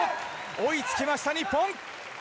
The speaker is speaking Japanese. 追いつきました、日本。